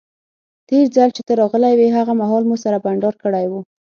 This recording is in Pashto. تیر ځل چې ته راغلی وې هغه مهال مو سره بانډار کړی وو.